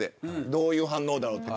どういう反応だろうって。